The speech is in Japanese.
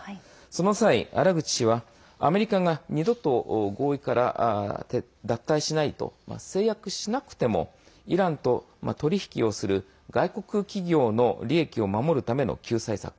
その際、アラグチ氏はアメリカが二度と合意から脱退しないと誓約しなくてもイランと取引をする外国企業の利益を守るための救済策。